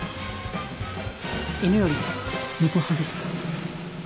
犬より猫派です